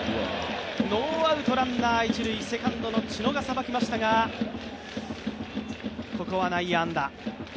ノーアウトランナー一塁、セカンドの知野がさばきましたがここは内野安打。